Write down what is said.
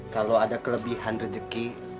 kalau ada kelebihan rejeki